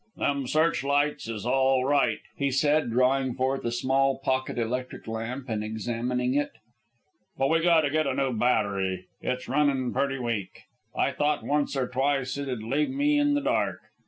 "Them search lights is all right," he said, drawing forth a small pocket electric lamp and examining it. "But we got to get a new battery. It's runnin' pretty weak. I thought once or twice it'd leave me in the dark.